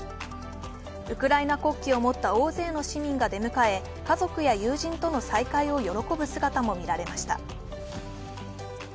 ウクライナ国旗を持った大勢の市民が出迎え家族や友人との再会を喜ぶ姿も見られました。